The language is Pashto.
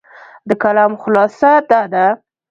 د کلام خلاصه دا ده،